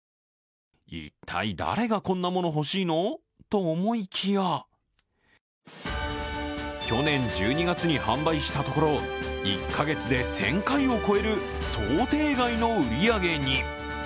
一体誰がこんなもの欲しいのと思いきや去年１２月に販売したところ、１カ月に１０００回を超える想定外の売り上げに。